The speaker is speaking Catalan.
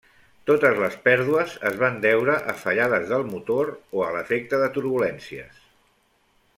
Totes les pèrdues es van deure a fallades del motor o a l'efecte de turbulències.